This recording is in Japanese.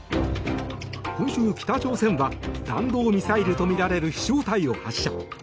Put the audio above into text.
今週、北朝鮮は弾道ミサイルとみられる飛翔体を発射。